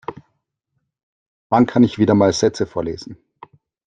Wann kann ich wieder mal Sätze vorlesen?